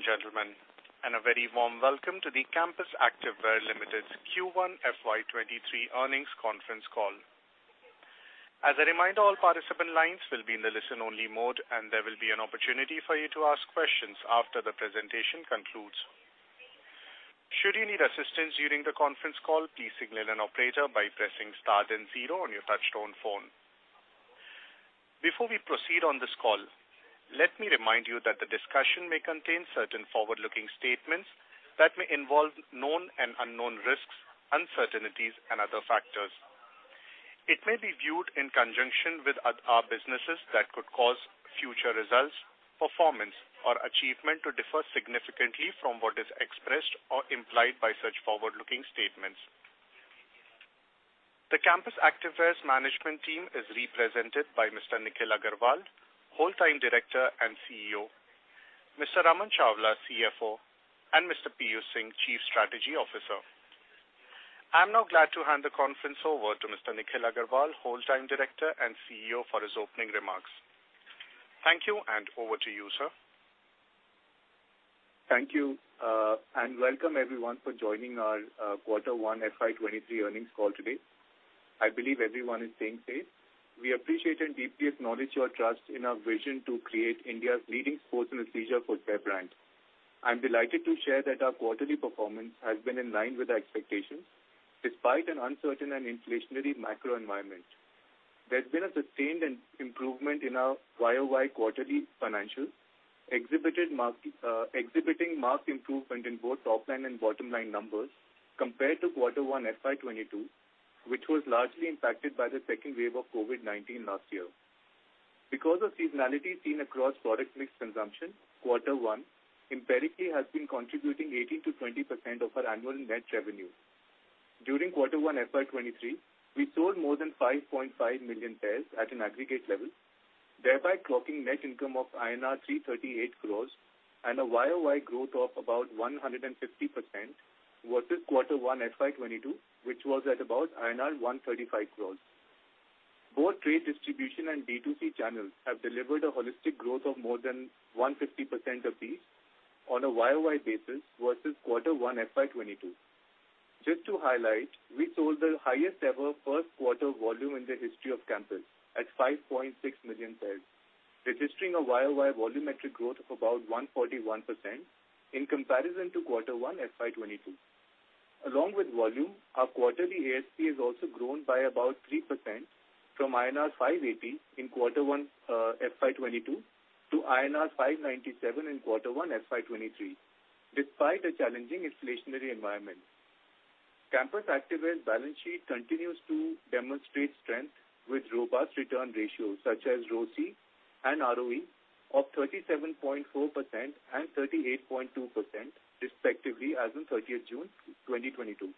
Gentlemen, a very warm welcome to the Campus Activewear Limited Q1 FY 2023 earnings conference call. As a reminder, all participant lines will be in the listen-only mode, and there will be an opportunity for you to ask questions after the presentation concludes. Should you need assistance during the conference call, please signal an operator by pressing star then zero on your touchtone phone. Before we proceed on this call, let me remind you that the discussion may contain certain forward-looking statements that may involve known and unknown risks, uncertainties and other factors. It may be viewed in conjunction with other businesses that could cause future results, performance, or achievement to differ significantly from what is expressed or implied by such forward-looking statements. The Campus Activewear's management team is represented by Mr. Nikhil Aggarwal, Whole-time Director and CEO, Mr. Raman Chawla, CFO, and Mr. Piyush Singh, Chief Strategy Officer. I'm now glad to hand the conference over to Mr. Nikhil Aggarwal, Whole-time Director and CEO for his opening remarks. Thank you, and over to you, sir. Thank you, and welcome everyone for joining our quarter one FY 2023 earnings call today. I believe everyone is staying safe. We appreciate and deeply acknowledge your trust in our vision to create India's leading sports and leisure footwear brand. I'm delighted to share that our quarterly performance has been in line with our expectations, despite an uncertain and inflationary macro environment. There's been a sustained improvement in our YoY quarterly financials, exhibiting marked improvement in both top line and bottom line numbers compared to quarter one FY 2022, which was largely impacted by the second wave of COVID-19 last year. Because of seasonality seen across product mix consumption, quarter one empirically has been contributing 80%-20% of our annual net revenue. During quarter one FY 2023, we sold more than 5.5 million pairs at an aggregate level, thereby clocking net income of INR 338 crores and a YoY growth of about 150% versus quarter one FY 2022, which was at about INR 135 crores. Both trade distribution and B2C channels have delivered a holistic growth of more than 150% apiece on a YoY basis versus quarter one FY 2022. Just to highlight, we sold the highest ever first quarter volume in the history of Campus at 5.6 million pairs, registering a YoY volumetric growth of about 141% in comparison to quarter one FY 2022. Along with volume, our quarterly ASP has also grown by about 3% from INR 580 in quarter one, FY 2022 to INR 597 in quarter one FY 2023, despite a challenging inflationary environment. Campus Activewear's balance sheet continues to demonstrate strength with robust return ratios such as ROCE and ROE of 37.4% and 38.2% respectively as on 30th June 2022.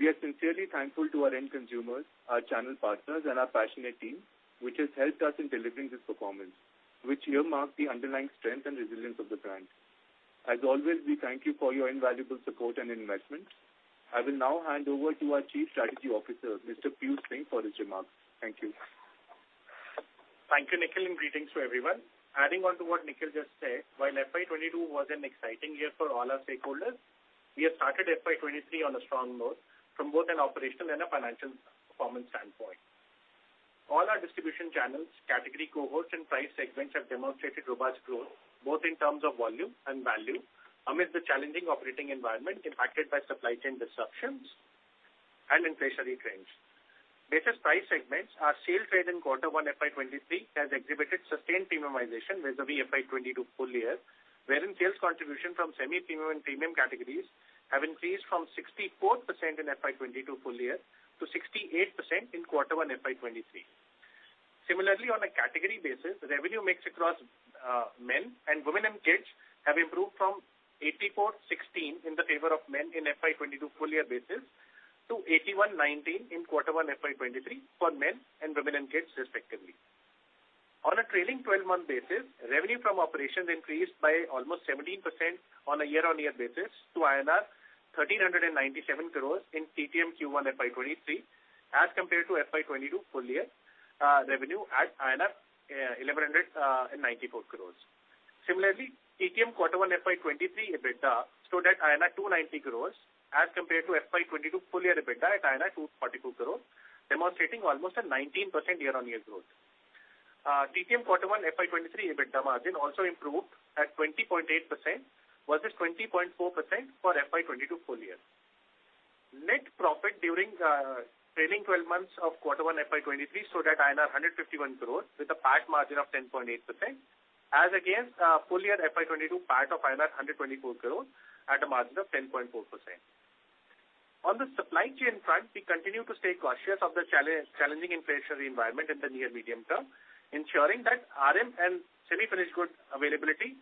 We are sincerely thankful to our end consumers, our channel partners, and our passionate team, which has helped us in delivering this performance, which here mark the underlying strength and resilience of the brand. As always, we thank you for your invaluable support and investment. I will now hand over to our Chief Strategy Officer, Mr. Piyush Singh, for his remarks. Thank you. Thank you, Nikhil, and greetings to everyone. Adding on to what Nikhil just said, while FY 2022 was an exciting year for all our stakeholders, we have started FY 2023 on a strong note from both an operational and a financial performance standpoint. All our distribution channels, category cohorts, and price segments have demonstrated robust growth, both in terms of volume and value, amid the challenging operating environment impacted by supply chain disruptions and inflationary trends. In latest price segments, our sell-through in quarter one FY 2023 has exhibited sustained premiumization vis-à-vis FY 2022 full year, wherein sales contribution from semi-premium and premium categories have increased from 64% in FY 2022 full year to 68% in quarter one FY 2023. Similarly, on a category basis, revenue mix across men and women and kids have improved from 84/16 in the favor of men in FY 2022 full year basis to 81/19 in Q1 FY 2023 for men and women and kids respectively. On a trailing twelve-month basis, revenue from operations increased by almost 17% on a year-on-year basis to INR 1,397 crores in TTM Q1 FY 2023 as compared to FY 2022 full year revenue at INR 1,194 crores. Similarly, TTM Q1 FY 2023 EBITDA stood at 290 crores as compared to FY 2022 full year EBITDA at 242 crores, demonstrating almost a 19% year-on-year growth. TTM Q1 FY 2023 EBITDA margin also improved at 20.8% versus 20.4% for FY 2022 full year. Net profit during trailing 12 months of quarter one FY 2023 stood at INR 151 crores with a PAT margin of 10.8% as against full year FY 2022 PAT of INR 124 crores at a margin of 10.4%. On the supply chain front, we continue to stay cautious of the challenging inflationary environment in the near medium term, ensuring that RM and semi-finished goods availability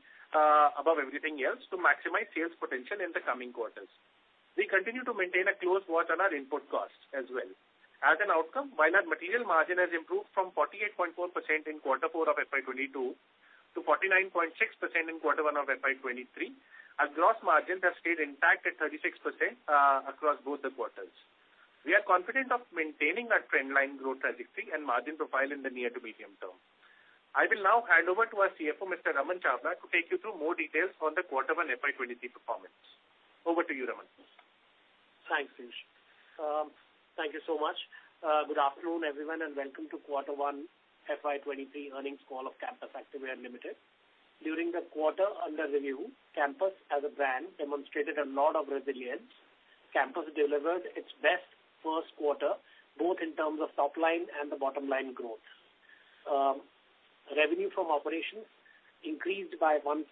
above everything else to maximize sales potential in the coming quarters. We continue to maintain a close watch on our input costs as well. As an outcome, while our material margin has improved from 48.4% in quarter four of FY 2022 to 49.6% in quarter one of FY 2023, our gross margin has stayed intact at 36% across both the quarters. We are confident of maintaining our trend line growth trajectory and margin profile in the near to medium term. I will now hand over to our CFO, Mr. Raman Chawla, to take you through more details on the quarter one FY 2023 performance. Over to you, Raman. Thanks, Piyush. Thank you so much. Good afternoon, everyone, and welcome to quarter one FY 2023 earnings call of Campus Activewear Limited. During the quarter under review, Campus as a brand demonstrated a lot of resilience. Campus delivered its best first quarter, both in terms of top line and the bottom line growth. Revenue from operations increased by 149.6%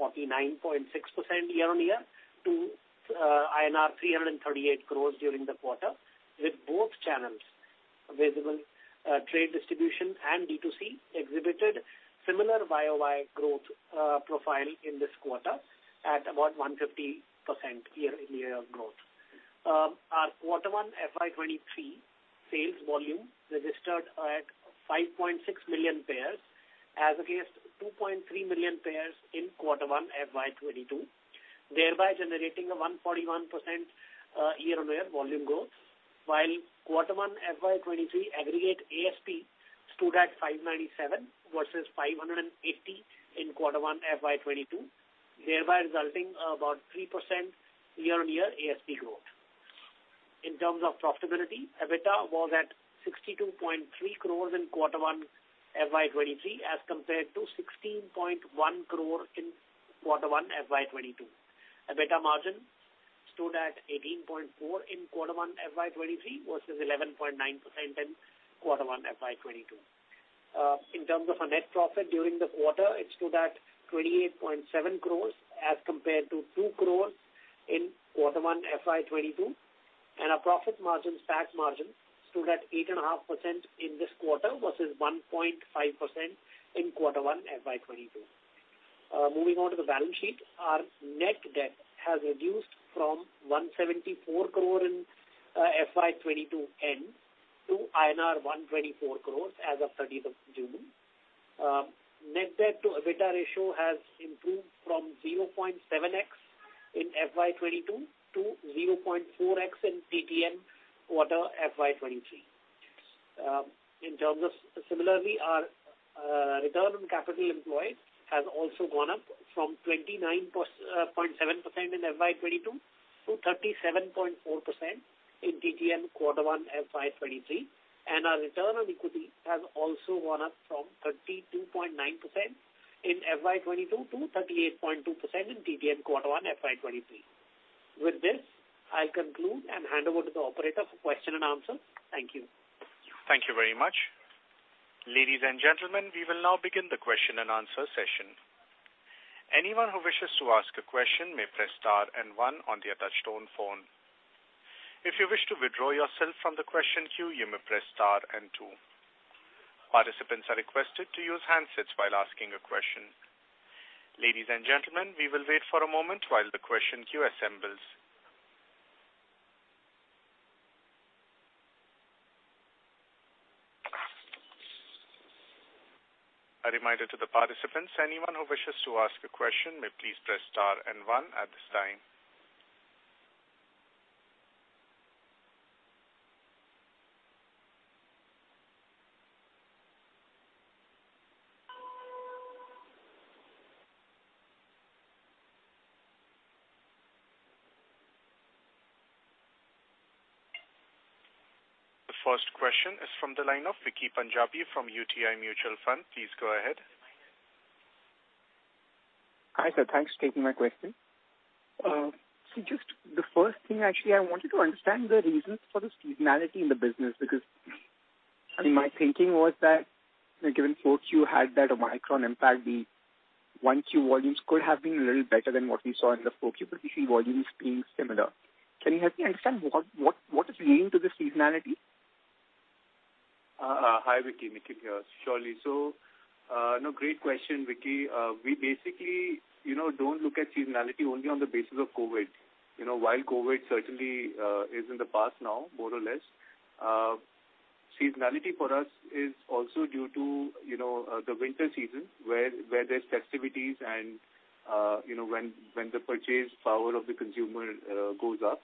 year-on-year to INR 338 crores during the quarter, with both channels available, trade distribution and D2C exhibited similar YoY growth profile in this quarter at about 150% year-on-year growth. Our quarter one FY 2023 sales volume registered at 5.6 million pairs as against 2.3 million pairs in quarter one FY 2022, thereby generating a 141%, year-on-year volume growth, while quarter one FY 2023 aggregate ASP stood at 597 versus 580 in quarter one FY 2022, thereby resulting about 3% year-on-year ASP growth. In terms of profitability, EBITDA was at 62.3 crore in quarter one FY 2023, as compared to 16.1 crore in quarter one FY 2022. EBITDA margin stood at 18.4% in quarter one FY 2023 versus 11.9% in quarter one FY 2022. In terms of our net profit during the quarter, it stood at 28.7 crore as compared to 2 crore in quarter one FY 2022, and our profit margin, PAT margin stood at 8.5% in this quarter versus 1.5% in quarter one FY 2022. Moving on to the balance sheet, our net debt has reduced from 174 crore in FY 2022 end to INR 124 crore as of 13th of June. Net debt to EBITDA ratio has improved from 0.7x in FY 2022 to 0.4x in TTM quarter FY 2023. Similarly, our return on capital employed has also gone up from 29.7% in FY 2022 to 37.4% in TTM quarter one FY 2023. Our return on equity has also gone up from 32.9% in FY 2022 to 38.2% in TTM Q1 FY 2023. With this, I conclude and hand over to the Operator for question and answer. Thank you. Thank you very much. Ladies and gentlemen, we will now begin the question and answer session. Anyone who wishes to ask a question may press star and one on the touchtone phone. If you wish to withdraw yourself from the question queue, you may press star and two. Participants are requested to use handsets while asking a question. Ladies and gentlemen, we will wait for a moment while the question queue assembles. A reminder to the participants, anyone who wishes to ask a question may please press star and one at this time. The first question is from the line of Vicky Punjabi from UTI Mutual Fund. Please go ahead. Hi, sir. Thanks for taking my question. So just the first thing, actually, I wanted to understand the reasons for the seasonality in the business, because, I mean, my thinking was that, you know, given Q4 had that Omicron impact, the Q1 volumes could have been a little better than what we saw in the Q4, but we see volumes being similar. Can you help me understand what is leading to the seasonality? Hi, Vicky. Nikhil here. No, great question, Vicky. We basically, you know, don't look at seasonality only on the basis of COVID. You know, while COVID certainly is in the past now, more or less, seasonality for us is also due to, you know, the winter season where there's festivities and, you know, when the purchase power of the consumer goes up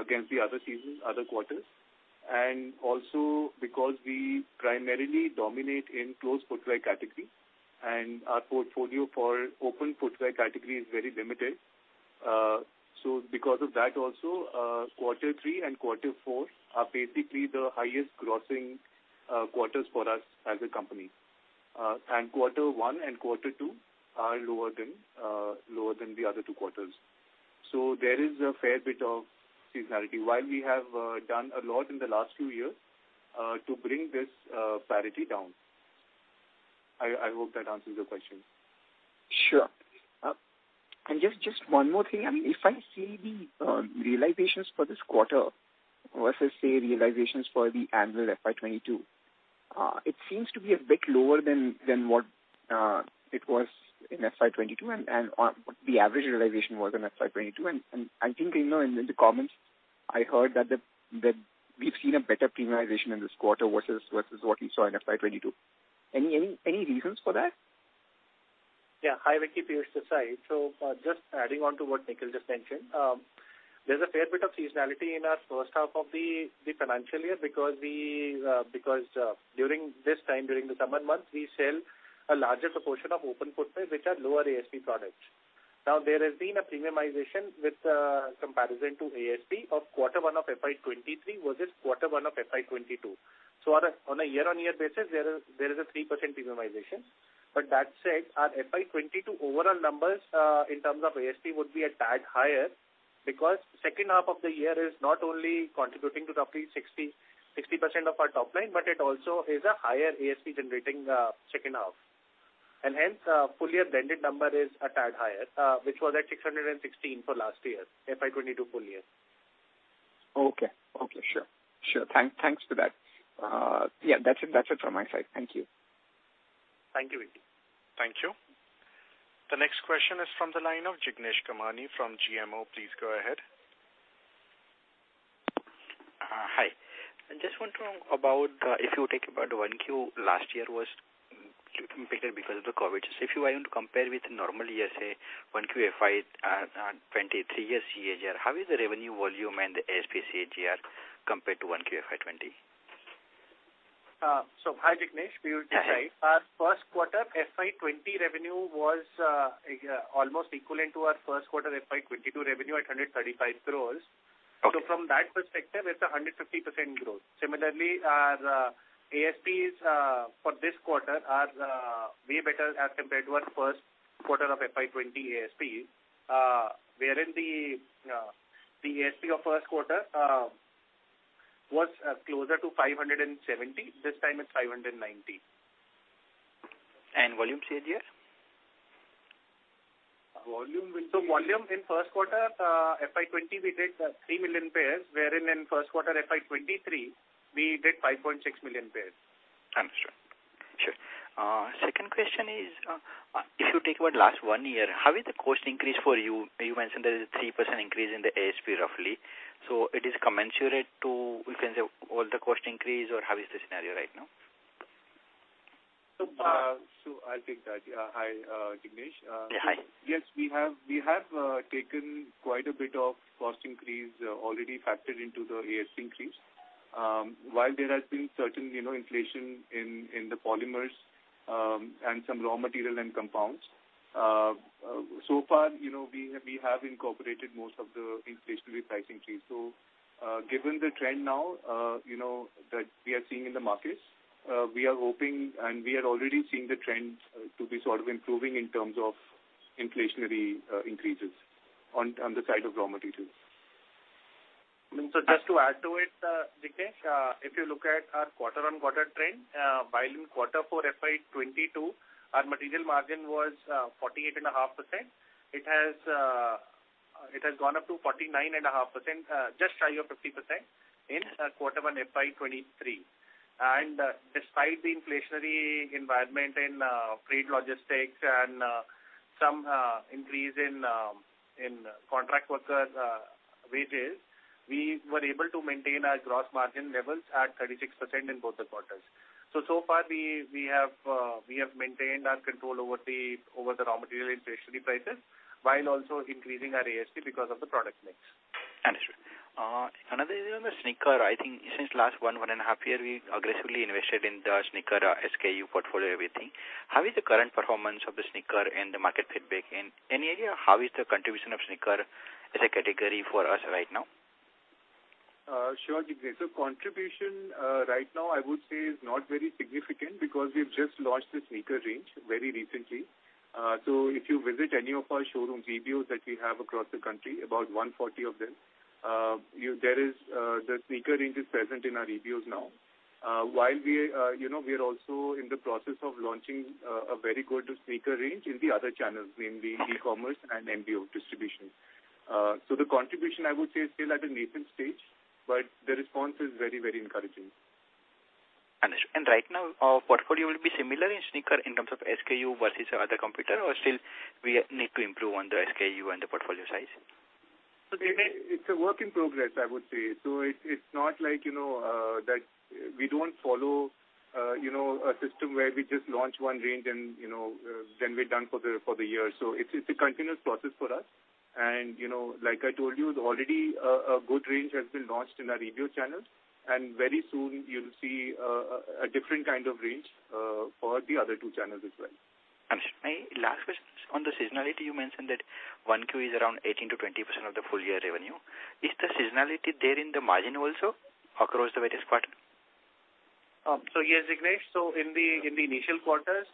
against the other seasons, other quarters. Also because we primarily dominate in closed footwear category and our portfolio for open footwear category is very limited. Because of that also, quarter three and quarter four are basically the highest grossing quarters for us as a company. Quarter one and quarter two are lower than the other two quarters. There is a fair bit of seasonality. While we have done a lot in the last few years to bring this parity down. I hope that answers your question. Sure. Just one more thing. I mean, if I see the realizations for this quarter versus, say, realizations for the annual FY 2022, it seems to be a bit lower than what it was in FY 2022 and/or the average realization was in FY 2022. I think, you know, in the comments I heard that we've seen a better premiumization in this quarter versus what we saw in FY 2022. Any reasons for that? Yeah. Hi, Vicky. Piyush Singh. Just adding on to what Nikhil just mentioned, there's a fair bit of seasonality in our first half of the financial year because during this time, during the summer months, we sell a larger proportion of open footwear, which are lower ASP products. Now, there has been a premiumization with comparison to ASP of quarter one of FY 2023 versus quarter one of FY 2022. On a year-on-year basis, there is a 3% premiumization. But that said, our FY 2022 overall numbers in terms of ASP would be a tad higher because second half of the year is not only contributing to roughly 60% of our top line, but it also is a higher ASP generating second half. Hence, full year blended number is a tad higher, which was at 616 for last year, FY 2022 full year. Okay. Sure. Thanks for that. Yeah, that's it from my side. Thank you, Vicky. Thank you. The next question is from the line of Jignesh Kamani from GMO. Please go ahead. Hi. I just want to know about if you think about 1Q last year was completed because of the COVID. If you were to compare with normal, let's say, 1Q FY 2023 year CAGR, how is the revenue volume and the ASP CAGR compared to 1Q FY 2020? Hi, Jignesh. Piyush Singh. Our first quarter FY 2020 revenue was almost equivalent to our first quarter FY 2022 revenue at 135 crore. Okay. From that perspective, it's 150% growth. Similarly, our ASPs for this quarter are way better as compared to our first quarter of FY 2020 ASP, wherein the ASP of first quarter was closer to 570. This time it's 590. Volume CAGR? Volume in first quarter FY 2020 we did 3 million pairs, wherein in first quarter FY 2023 we did 5.6 million pairs. Understood. Sure. Second question is, if you take the last one year, how is the cost increase for you? You mentioned there is a 3% increase in the ASP roughly. It is commensurate to, we can say, all the cost increase or how is the scenario right now? I'll take that. Yeah. Hi, Jignesh. Yeah, hi. Yes, we have taken quite a bit of cost increase already factored into the ASP increase. While there has been certain, you know, inflation in the polymers and some raw material and compounds, so far, you know, we have incorporated most of the inflationary pricing increase. Given the trend now, you know, that we are seeing in the markets, we are hoping and we are already seeing the trends to be sort of improving in terms of inflationary increases on the side of raw materials. I mean, so just to add to it, Jignesh, if you look at our quarter-on-quarter trend, while in quarter four FY 2022, our material margin was 48.5%. It has gone up to 49.5%, just shy of 50% in Q1 FY 2023. Despite the inflationary environment in freight logistics and some increase in contract worker wages, we were able to maintain our gross margin levels at 36% in both quarters. So far we have maintained our control over the raw material inflationary prices, while also increasing our ASP because of the product mix. Understood. Another is on the sneaker. I think since last 1.5 years, we aggressively invested in the sneaker SKU portfolio, we think. How is the current performance of the sneaker and the market feedback? Any idea how is the contribution of sneaker as a category for us right now? Sure, Jignesh. The contribution right now I would say is not very significant because we've just launched the sneaker range very recently. If you visit any of our showrooms, EBOs that we have across the country, about 140 of them, the sneaker range is present in our EBOs now. While we, you know, we are also in the process of launching a very good sneaker range in the other channels, namely e-commerce and MBO distribution. The contribution I would say is still at a nascent stage, but the response is very, very encouraging. Understood. Right now, portfolio will be similar in sneaker in terms of SKU versus our other competitor, or still we need to improve on the SKU and the portfolio size? It's a work in progress, I would say. It's not like, you know, that we don't follow, you know, a system where we just launch one range and, you know, then we're done for the year. It's a continuous process for us. You know, like I told you, already a good range has been launched in our EBO channels, and very soon you'll see a different kind of range for the other two channels as well. Understood. My last question is on the seasonality. You mentioned that 1Q is around 18%-20% of the full year revenue. Is the seasonality there in the margin also across the various quarter? Yes, Jignesh. In the initial quarters,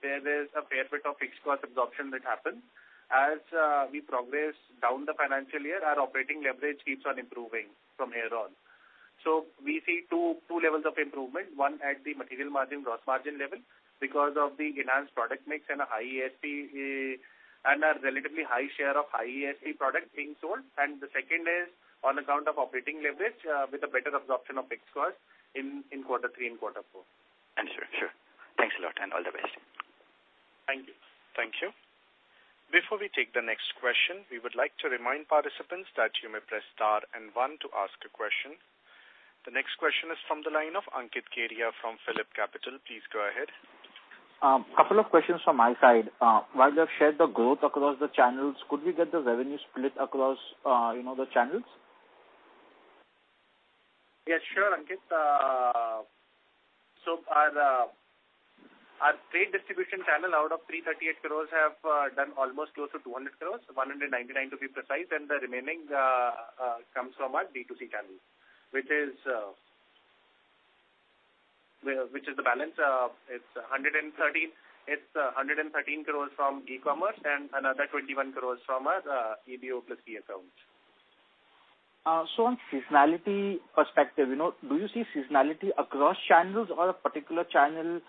there is a fair bit of fixed cost absorption that happens. As we progress down the financial year, our operating leverage keeps on improving from here on. We see two levels of improvement, one at the material margin, gross margin level because of the enhanced product mix and a high ASP, and a relatively high share of high ASP product being sold. The second is on account of operating leverage, with a better absorption of fixed costs in quarter three and quarter four. Understood. Sure. Thanks a lot and all the best. Thank you. Thank you. Before we take the next question, we would like to remind participants that you may press star and one to ask a question. The next question is from the line of Ankit Kedia from Phillip Capital. Please go ahead. A couple of questions from my side. While you have shared the growth across the channels, could we get the revenue split across, you know, the channels? Yeah, sure, Ankit. So our trade distribution channel out of 338 crores has done almost close to 200 crores, 199 crores to be precise, and the remaining comes from our B2C channel, which is the balance. It's 113 crores from e-commerce and another 21 crores from our EBO plus key accounts. On seasonality perspective, you know, do you see seasonality across channels or a particular channel,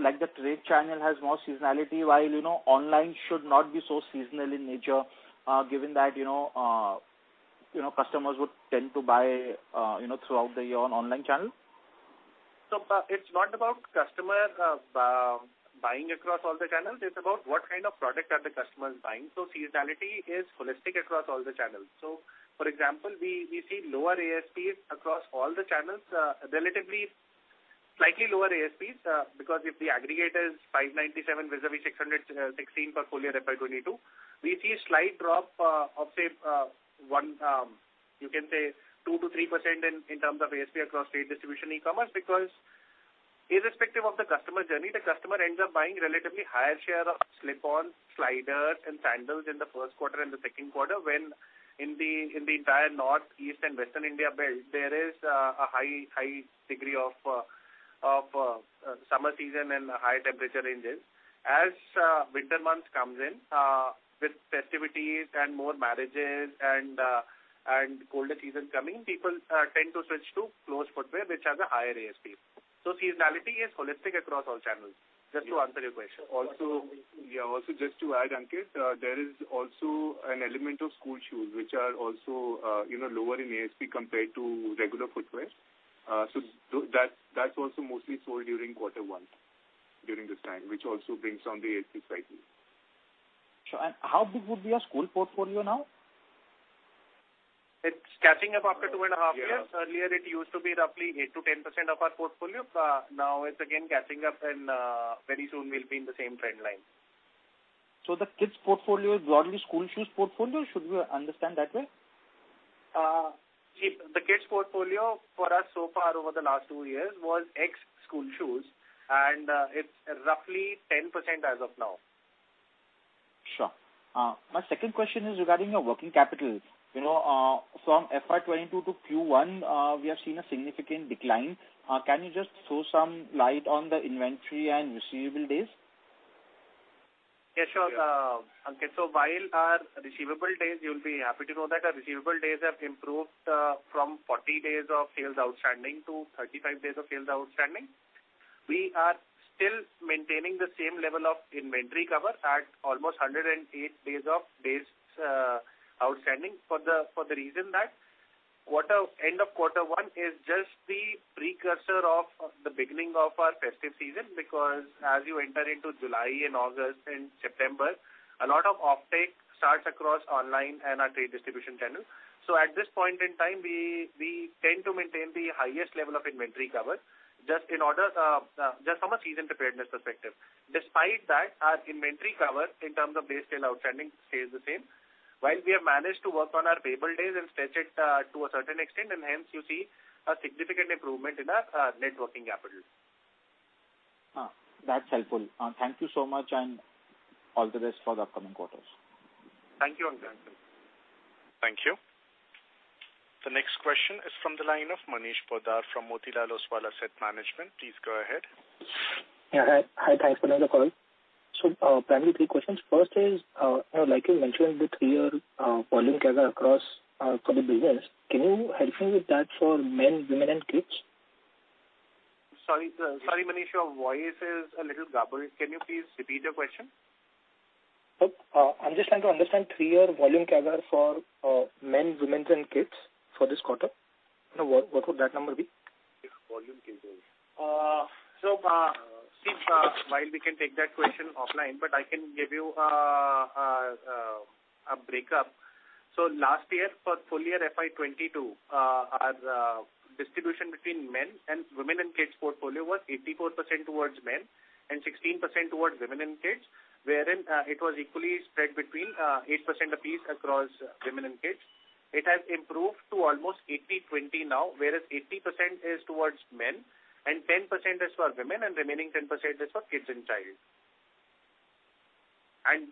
like the trade channel has more seasonality while, you know, online should not be so seasonal in nature, given that, you know, you know customers would tend to buy, you know, throughout the year on online channel? It's not about customers buying across all the channels; it's about what kind of product are the customers buying. Seasonality is holistic across all the channels. For example, we see lower ASPs across all the channels, relatively slightly lower ASPs, because if the aggregate is 597 vis-a-vis 616 for full year FY 2022, we see a slight drop of say 1%, you can say 2%-3% in terms of ASP across trade distribution e-commerce because irrespective of the customer journey, the customer ends up buying relatively higher share of slip-on, sliders and sandals in the first quarter and the second quarter when in the entire North, East and Western India belt there is a high degree of summer season and high temperature ranges. As winter months comes in with festivities and more marriages and colder season coming, people tend to switch to closed footwear which has a higher ASP. Seasonality is holistic across all channels. Just to answer your question. Just to add, Ankit, there is also an element of school shoes which are also lower in ASP compared to regular footwear. That's also mostly sold during quarter one, during this time, which also brings down the ASP slightly. Sure. How big would be your school portfolio now? It's catching up after 2.5 years. Earlier, it used to be roughly 8%-10% of our portfolio. Now it's again catching up and very soon we'll be in the same trend line. The kids portfolio is broadly school shoes portfolio? Should we understand that way? See, the kids portfolio for us so far over the last two years was ex-school shoes, and it's roughly 10% as of now. Sure. My second question is regarding your working capital. You know, from FY 2022 to Q1, we have seen a significant decline. Can you just throw some light on the inventory and receivable days? Yeah, sure. Ankit, while our receivable days, you'll be happy to know that our receivable days have improved from 40 days of sales outstanding to 35 days of sales outstanding. We are still maintaining the same level of inventory cover at almost 108 days outstanding for the reason that end of quarter one is just the precursor of the beginning of our festive season because as you enter into July and August and September, a lot of offtake starts across online and our trade distribution channel. At this point in time we tend to maintain the highest level of inventory cover just in order just from a season preparedness perspective. Despite that, our inventory cover in terms of days sales outstanding stays the same. While we have managed to work on our payable days and stretch it, to a certain extent, and hence you see a significant improvement in our, net working capital. That's helpful. Thank you so much, and all the best for the upcoming quarters. Thank you, Ankit. Thank you. The next question is from the line of Manish Poddar from Motilal Oswal Asset Management. Please go ahead. Yeah, hi. Hi, thanks for another call. Primarily three questions. First is, you know, like you mentioned the three-year volume CAGR across for the business. Can you help me with that for men, women and kids? Sorry, Manish, your voice is a little garbled. Can you please repeat the question? Sure. I'm just trying to understand three-year volume CAGR for men, women's and kids for this quarter. You know, what would that number be? Volume CAGR. While we can take that question offline, but I can give you a breakdown. Last year for full year FY 2022, our distribution between men and women and kids portfolio was 84% towards men and 16% towards women and kids, wherein it was equally spread between 8% apiece across women and kids. It has improved to almost 80/20 now, whereas 80% is towards men and 10% is for women and remaining 10% is for kids and child.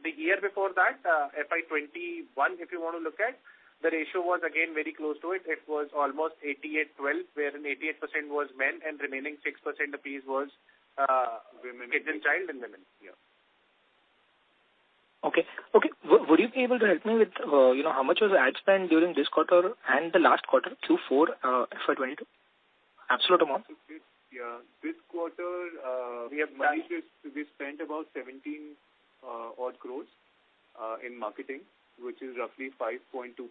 The year before that, FY 2021, if you wanna look at, the ratio was again very close to it. It was almost 88/12, wherein 88% was men and remaining 6% apiece was Women and kids. Kids and child and women. Yeah. Okay. Would you be able to help me with, you know, how much was the ad spend during this quarter and the last quarter, Q4, FY 2022? Absolute amount. Yeah. This quarter. We have managed. We spent about 17-odd crores in marketing, which is roughly 5.2%.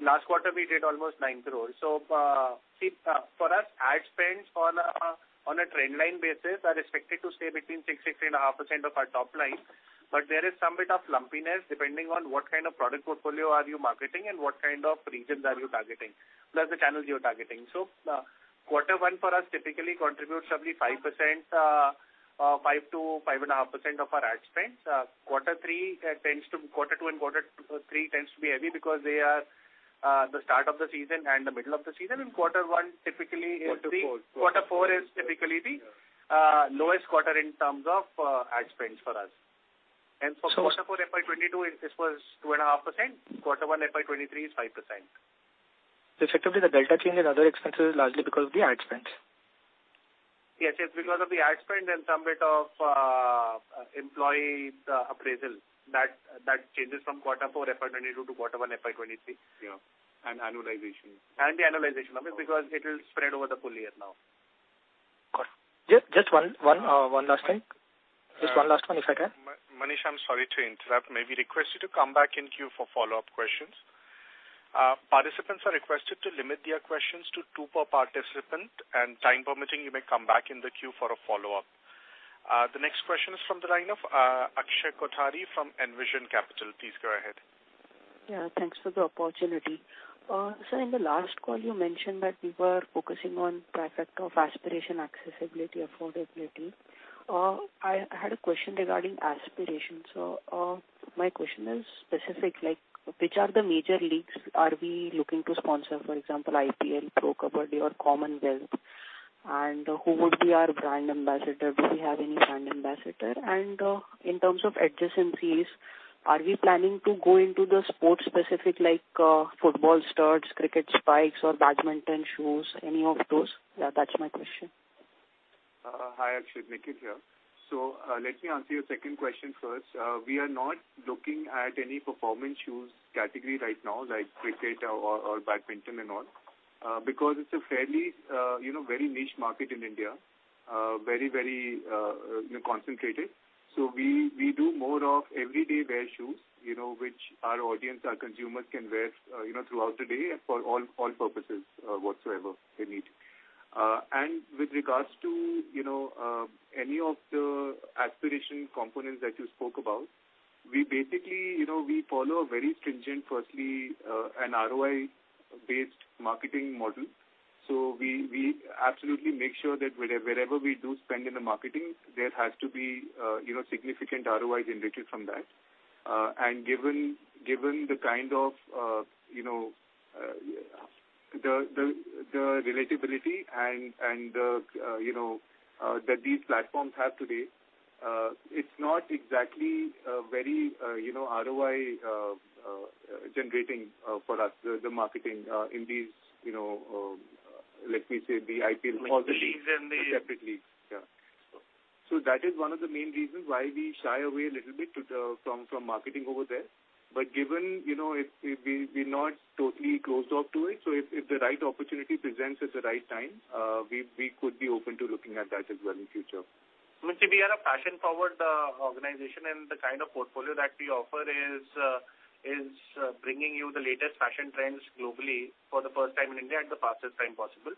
Last quarter we did almost 9 crore. For us ad spends on a trend line basis are expected to stay between 6%-6.5% of our top line. But there is some bit of lumpiness depending on what kind of product portfolio are you marketing and what kind of regions are you targeting, plus the channels you are targeting. Quarter one for us typically contributes roughly 5%-5.5% of our ad spends. Quarter two and quarter three tends to be heavy because they are the start of the season and the middle of the season. Quarter one typically Year to fourth. Quarter four is typically the lowest quarter in terms of ad spends for us. So- For quarter four FY 2022 it was 2.5%. quarter one FY 2023 is 5%. Effectively the delta change in other expenses is largely because of the ad spends. Yes, yes, because of the ad spend and some bit of employee appraisal that changes from quarter four FY 2022 to quarter one FY 2023. Yeah, annualization. The annualization of it, because it will spread over the full year now. Got it. Just one last thing. Just one last one if I can. Manish, I'm sorry to interrupt. May we request you to come back in queue for follow-up questions. Participants are requested to limit their questions to two per participant, and time permitting, you may come back in the queue for a follow-up. The next question is from the line of Akshay Kothari from Envision Capital. Please go ahead. Yeah, thanks for the opportunity. Sir, in the last call you mentioned that we were focusing on the aspect of aspiration, accessibility, affordability. I had a question regarding aspiration. My question is specific, like which major leagues are we looking to sponsor, for example, IPL, Pro Kabaddi or Commonwealth? Who would be our brand ambassador? Do we have any brand ambassador? In terms of adjacencies, are we planning to go into the sports specific like football studs, cricket spikes or badminton shoes? Any of those? Yeah, that's my question. Hi, Akshay. Nikhil here. Let me answer your second question first. We are not looking at any performance shoes category right now, like cricket or badminton and all, because it's a fairly, you know, very niche market in India, very concentrated. We do more of everyday wear shoes, you know, which our audience, our consumers can wear, you know, throughout the day for all purposes, whatsoever they need. With regards to, you know, any of the aspiration components that you spoke about, we basically, you know, we follow a very stringent, firstly, an ROI-based marketing model. We absolutely make sure that wherever we do spend in the marketing, there has to be, you know, significant ROIs indicated from that. Given the kind of, you know, the relatability and, you know, that these platforms have today, it's not exactly very, you know, ROI generating for us, the marketing in these, you know, let me say the IPL. The leagues and the The separate leagues. Yeah. That is one of the main reasons why we shy away a little bit from marketing over there. Given, you know, if we're not totally closed off to it. If the right opportunity presents at the right time, we could be open to looking at that as well in future. We are a fashion-forward organization, and the kind of portfolio that we offer is bringing you the latest fashion trends globally for the first time in India at the fastest time possible.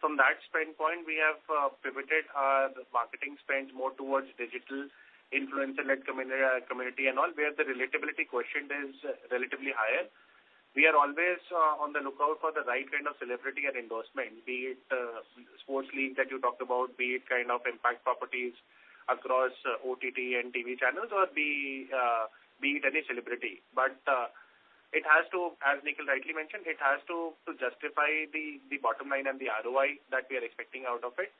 From that standpoint, we have pivoted our marketing spend more towards digital, influencer, net community and all, where the relatability quotient is relatively higher. We are always on the lookout for the right kind of celebrity and endorsement, be it sports leagues that you talked about, be it kind of impact properties across OTT and TV channels or be it any celebrity. As Nikhil rightly mentioned, it has to justify the bottom line and the ROI that we are expecting out of it.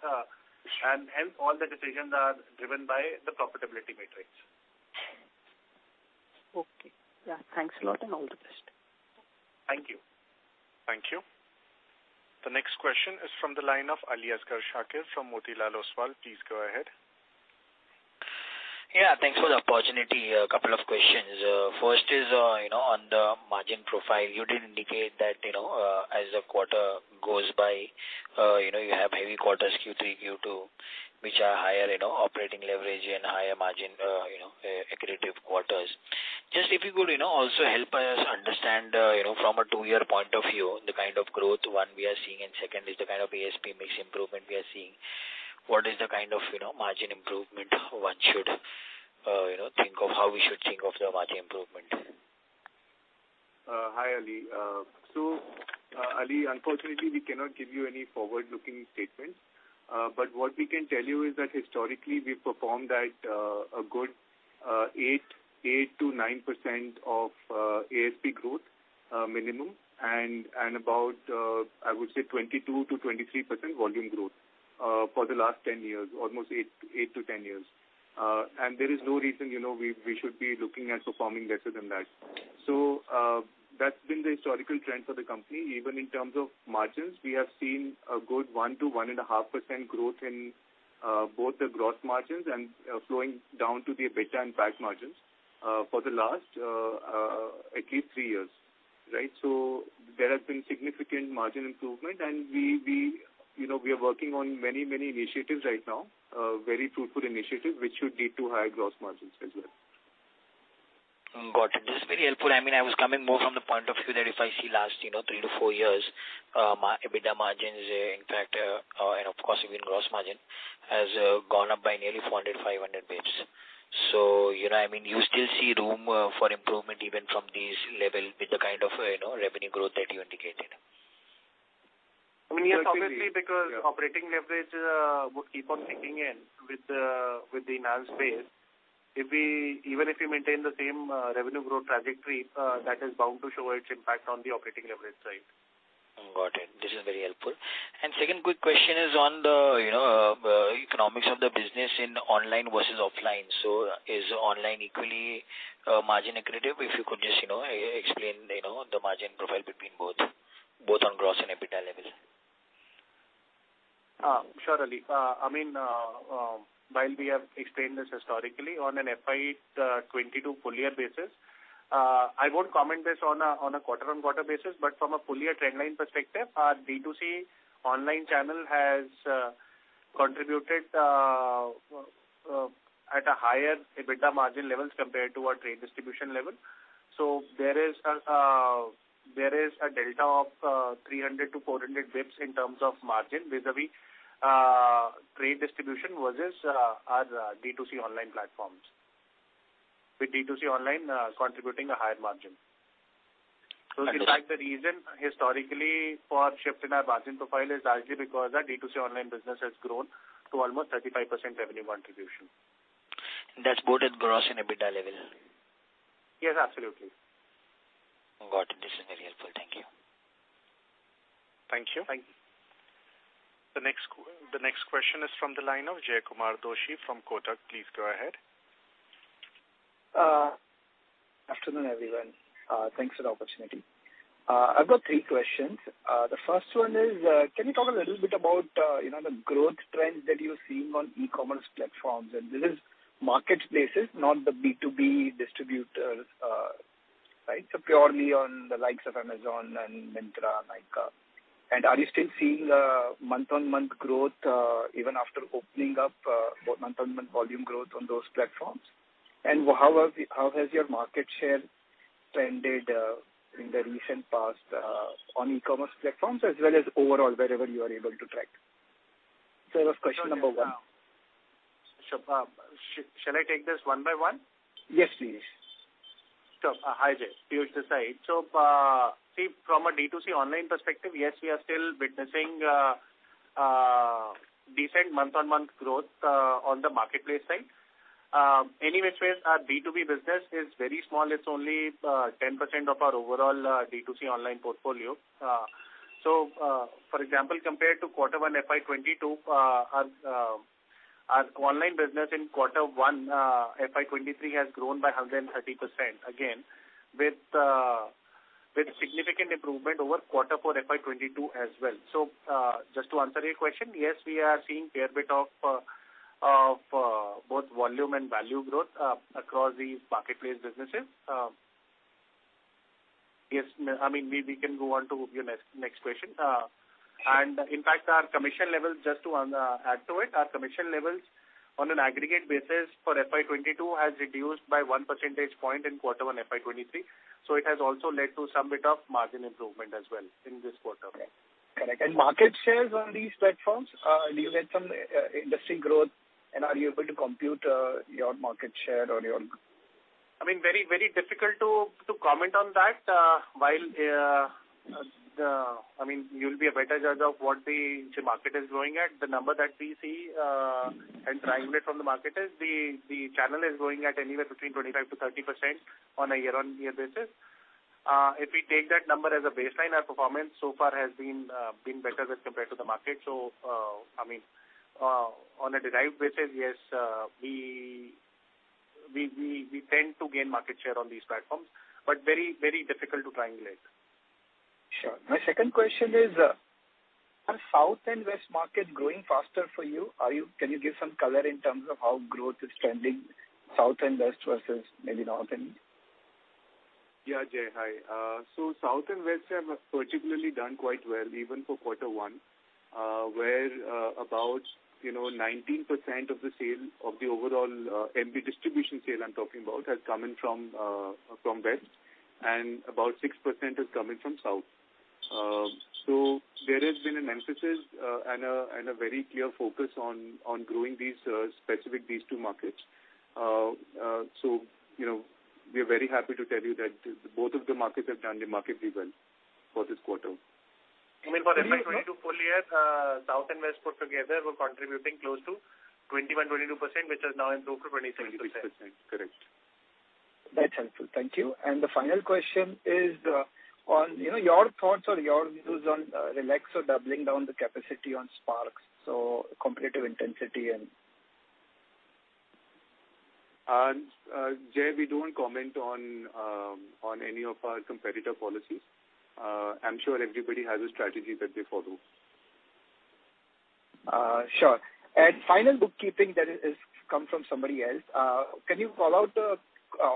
All the decisions are driven by the profitability metrics. Okay. Yeah. Thanks a lot and all the best. Thank you. Thank you. The next question is from the line of Aliasgar Shakir from Motilal Oswal. Please go ahead. Yeah, thanks for the opportunity. A couple of questions. First is, you know, on the margin profile, you did indicate that, you know, as the quarter goes by, you know, you have heavy quarters, Q3, Q2, which are higher, you know, operating leverage and higher margin, you know, accretive quarters. Just if you could, you know, also help us understand, you know, from a two-year point of view, the kind of growth, one, we are seeing, and second is the kind of ASP mix improvement we are seeing. What is the kind of, you know, margin improvement one should, you know, think of, how we should think of the margin improvement? Hi, Ali. Ali, unfortunately, we cannot give you any forward-looking statements. What we can tell you is that historically we've performed at a good 8%-9% ASP growth minimum and about, I would say, 22%-23% volume growth for the last ten years, almost eight years-10 years. There is no reason, you know, we should be looking at performing lesser than that. That's been the historical trend for the company. Even in terms of margins, we have seen a good 1%-1.5% growth in both the gross margins and flowing down to the EBITDA and PAT margins for the last at least three years. Right? There has been significant margin improvement and we, you know, we are working on many initiatives right now, very fruitful initiatives which should lead to higher gross margins as well. Got it. This is very helpful. I mean, I was coming more from the point of view that if I see last three to four years, EBITDA margins, in fact, and of course even gross margin has gone up by nearly 400 basis points-500 basis points. You know, I mean you still see room for improvement even from this level with the kind of revenue growth that you indicated. I mean, yes, obviously because operating leverage would keep on kicking in with the in-house space. Even if we maintain the same revenue growth trajectory, that is bound to show its impact on the operating leverage side. Got it. This is very helpful. Second quick question is on the, you know, economics of the business in online versus offline. Is online equally margin accretive? If you could just, you know, explain, you know, the margin profile between both on gross and EBITDA levels. Sure, Ali. I mean, while we have explained this historically on an FY 2022 full year basis, I won't comment this on a quarter-on-quarter basis, but from a full year trendline perspective, our B2C online channel has contributed at a higher EBITDA margin levels compared to our trade distribution level. There is a delta of 300 basis points-400 basis points in terms of margin vis-à-vis trade distribution versus our B2C online platforms. With B2C online contributing a higher margin. Understood. In fact, the reason historically for shift in our margin profile is largely because our B2C online business has grown to almost 35% revenue contribution. That's both at gross and EBITDA level. Yes, absolutely. Got it. This is very helpful. Thank you. Thank you. Thank- The next question is from the line of Jaykumar Doshi from Kotak. Please go ahead. Afternoon, everyone. Thanks for the opportunity. I've got three questions. The first one is, can you talk a little bit about, you know, the growth trend that you're seeing on e-commerce platforms? This is marketplaces, not the B2B distributors, right? Purely on the likes of Amazon and Myntra, Nykaa. Are you still seeing, month-on-month growth, even after opening up, month-on-month volume growth on those platforms? How has your market share trended, in the recent past, on e-commerce platforms as well as overall, wherever you are able to track? That was question number one. Shall I take this one by one? Yes, please. Hi, Jay. Piyush this side. See from a D2C online perspective, yes, we are still witnessing decent month-on-month growth on the marketplace side. Any which ways our B2B business is very small. It's only 10% of our overall D2C online portfolio. For example, compared to quarter one FY 2022, our online business in quarter one FY 2023 has grown by 130% again with significant improvement over quarter four FY 2022 as well. Just to answer your question, yes, we are seeing a fair bit of both volume and value growth across these marketplace businesses. Yes. I mean, we can go on to your next question. In fact, our commission levels, just to add to it, our commission levels on an aggregate basis for FY 2022 has reduced by 1 percentage point in quarter one FY 2023. It has also led to some bit of margin improvement as well in this quarter. Okay. Correct. Market shares on these platforms, do you get some industry growth? Are you able to compute your market share or your- I mean, very, very difficult to comment on that. I mean, you'll be a better judge of what the market is growing at. The number that we see and triangulate from the market is the channel is growing at anywhere between 25%-30% on a year-on-year basis. If we take that number as a baseline, our performance so far has been better as compared to the market. On a derived basis, yes, we tend to gain market share on these platforms, but very, very difficult to triangulate. Sure. My second question is, are South and West market growing faster for you? Can you give some color in terms of how growth is trending South and West versus maybe North and East? Yeah, Jay. Hi. South and West have particularly done quite well even for quarter one, where about, you know, 19% of the sales of the overall MBO distribution sale I'm talking about has come in from West and about 6% is coming from South. There has been an emphasis and a very clear focus on growing these specific two markets. You know, we are very happy to tell you that both of the markets have done remarkably well for this quarter. I mean, for FY 2022 full year, South and West put together were contributing close to 21%-22%, which has now improved to 23%. 23%. Correct. That's helpful. Thank you. The final question is on, you know, your thoughts or your views on Relaxo doubling down the capacity on Sparx, so competitive intensity and. Jay, we don't comment on any of our competitor policies. I'm sure everybody has a strategy that they follow. Sure. Can you call out the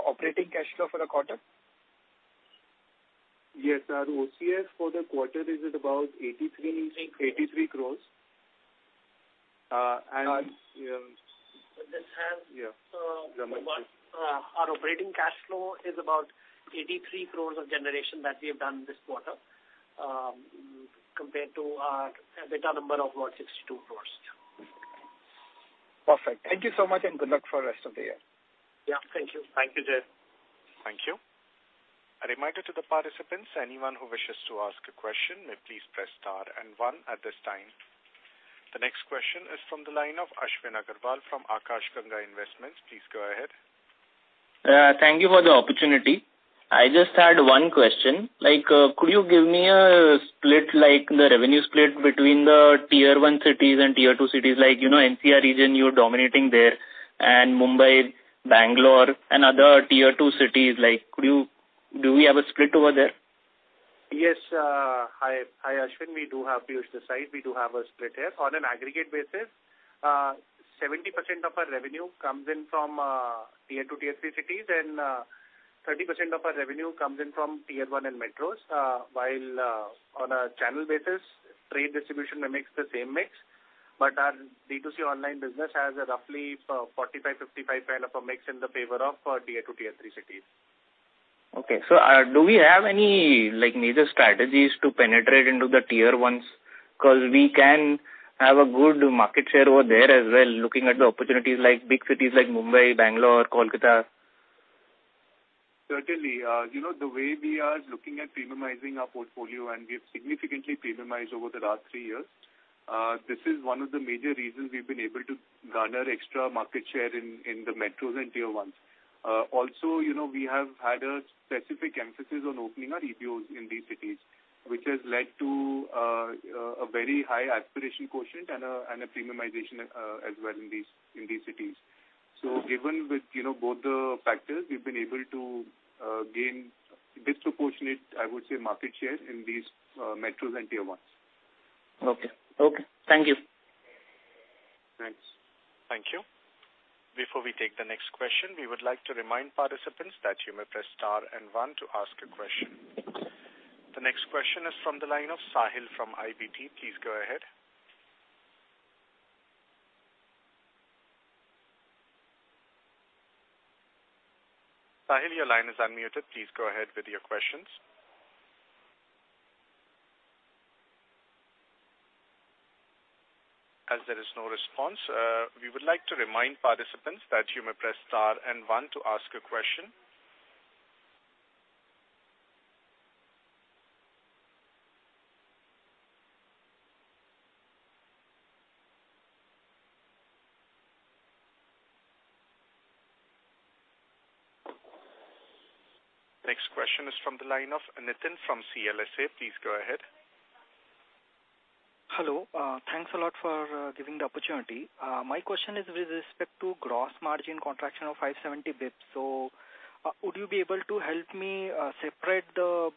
operating cash flow for the quarter? Yes, our OCF for the quarter is at about 83 crores. This has. Yeah. Our operating cash flow is about 83 crores of generation that we have done this quarter, compared to our EBITDA number of about 62 crores. Perfect. Thank you so much, and good luck for the rest of the year. Yeah. Thank you. Thank you, Jay. Thank you. A reminder to the participants, anyone who wishes to ask a question may please press star and one at this time. The next question is from the line of Ashwin Agarwal from Akash Ganga Investments. Please go ahead. Yeah, thank you for the opportunity. I just had one question. Like, could you give me a split, like the revenue split between the Tier 1 cities and Tier 2 cities, like, you know, NCR region, you're dominating there and Mumbai, Bangalore and other Tier 2 cities. Do we have a split over there? Yes. Hi, Ashwin. We do have Piyush this side. We do have a split here. On an aggregate basis, 70% of our revenue comes in from Tier 2, Tier 3 cities, and 30% of our revenue comes in from Tier 1 and metros. While on a channel basis, trade distribution remains the same mix, but our D2C online business has a roughly 45-55 kind of a mix in favor of Tier 2, Tier 3 cities. Do we have any, like, major strategies to penetrate into the Tier 1s? 'Cause we can have a good market share over there as well, looking at the opportunities like big cities like Mumbai, Bangalore, Kolkata. Certainly. You know, the way we are looking at premiumizing our portfolio, and we have significantly premiumized over the last three years, this is one of the major reasons we've been able to garner extra market share in the metros and Tier 1. Also, you know, we have had a specific emphasis on opening our EBOs in these cities, which has led to a very high aspiration quotient and a premiumization as well in these cities. Given with, you know, both the factors, we've been able to gain disproportionate, I would say, market share in these metros and Tier 1s. Okay. Thank you. Thanks. Thank you. Before we take the next question, we would like to remind participants that you may press star and one to ask a question. The next question is from the line of Sahil from IBT. Please go ahead. Sahil, your line is unmuted. Please go ahead with your questions. As there is no response, we would like to remind participants that you may press star and one to ask a question. Next question is from the line of Nitin from CLSA. Please go ahead. Hello. Thanks a lot for giving the opportunity. My question is with respect to gross margin contraction of 570 bps. Would you be able to help me separate the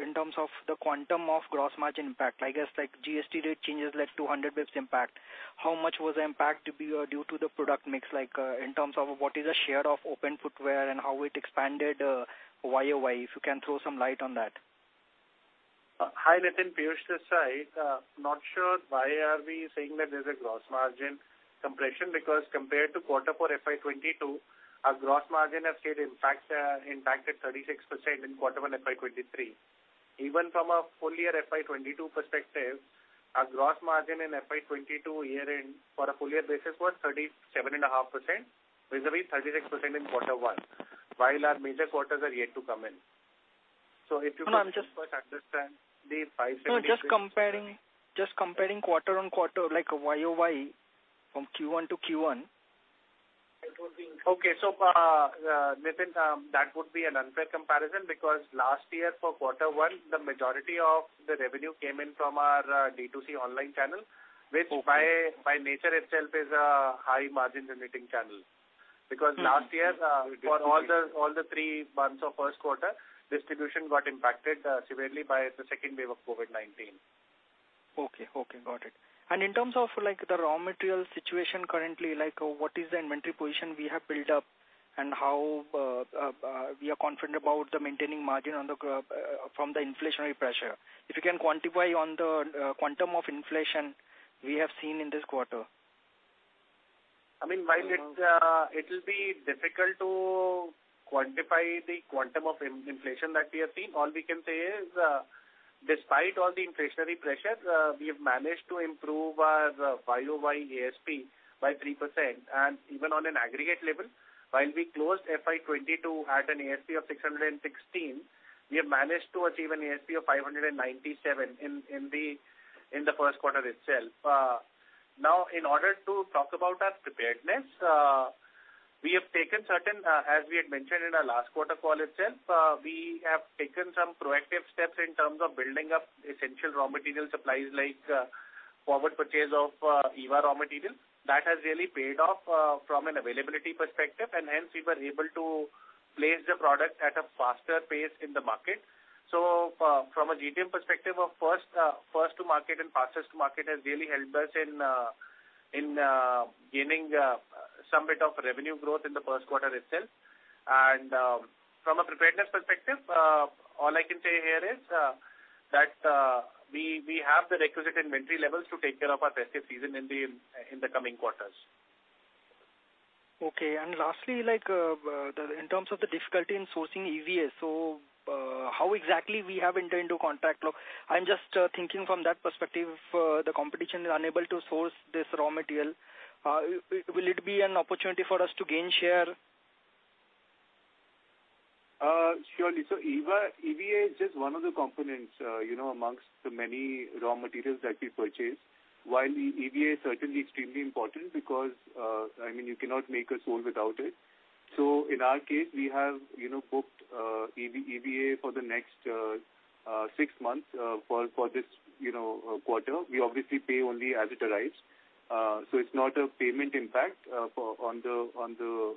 in terms of the quantum of gross margin impact? I guess, like, GST rate changes led to 100 bps impact. How much was the impact due to the product mix, like, in terms of what is the share of open footwear and how it expanded YoY, if you can throw some light on that. Hi, Nitin. Piyush this side. Not sure why we are saying that there's a gross margin compression, because compared to Q4 FY 2022, our gross margin has stayed intact at 36% in Q1 FY 2023. Even from a full year FY 2022 perspective, our gross margin in FY 2022 year-end for a full year basis was 37.5% vis-a-vis 36% in Q1, while our major quarters are yet to come in. If you can- No, I'm just. First, understand the 570. No, just comparing quarter-on-quarter like a YoY from Q1-to-Q1. Okay. Nitin, that would be an unfair comparison because last year for quarter one, the majority of the revenue came in from our D2C online channel, which by nature itself is a high margin generating channel. Because last year, for all the three months of first quarter, distribution got impacted severely by the second wave of COVID-19. Okay. Got it. In terms of, like, the raw material situation currently, like what is the inventory position we have built up and how we are confident about maintaining the margin from the inflationary pressure? If you can quantify on the quantum of inflation we have seen in this quarter. I mean, while it will be difficult to quantify the quantum of inflation that we have seen, all we can say is, despite all the inflationary pressures, we have managed to improve our YoY ASP by 3%. Even on an aggregate level, while we closed FY 2022 at an ASP of 616, we have managed to achieve an ASP of 597 in the first quarter itself. Now in order to talk about our preparedness, we have taken certain, as we had mentioned in our last quarter call itself, we have taken some proactive steps in terms of building up essential raw material supplies like, forward purchase of, EVA raw material. That has really paid off, from an availability perspective, and hence we were able to Place the product at a faster pace in the market. From a GTM perspective of first to market and fastest to market has really helped us in gaining some bit of revenue growth in the first quarter itself. From a preparedness perspective, all I can say here is that we have the requisite inventory levels to take care of our festive season in the coming quarters. Okay. Lastly, like, in terms of the difficulty in sourcing EVA. How exactly we have entered into contract? Look, I'm just thinking from that perspective, the competition is unable to source this raw material. Will it be an opportunity for us to gain share? Surely. EVA is just one of the components, you know, among the many raw materials that we purchase. While the EVA is certainly extremely important because, I mean, you cannot make a sole without it. In our case, we have, you know, booked EVA for the next six months for this quarter. We obviously pay only as it arrives. It's not a payment impact on the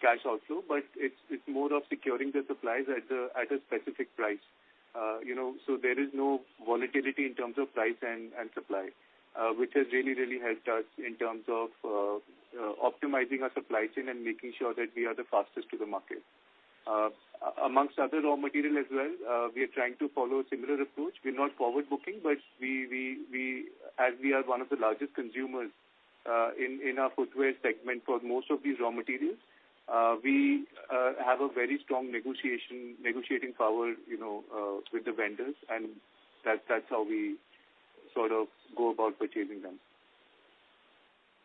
cash outflow, but it's more of securing the supplies at a specific price. You know, there is no volatility in terms of price and supply, which has really helped us in terms of optimizing our supply chain and making sure that we are the fastest to the market. Among other raw materials as well, we are trying to follow a similar approach. We're not forward-booking, but as we are one of the largest consumers in our footwear segment for most of these raw materials, we have a very strong negotiating power, you know, with the vendors, and that's how we sort of go about purchasing them.